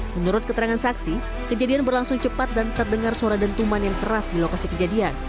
menurut keterangan saksi kejadian berlangsung cepat dan terdengar suara dentuman yang keras di lokasi kejadian